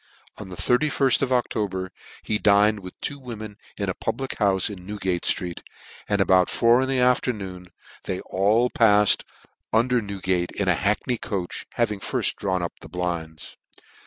On the 3 1 ft of October he dined with two wo men at a public houfe in Newgate ftreet, and about four in the afternoon they ail paffed under Newgate ,in a hackney coach, having firft drawn up the blinds.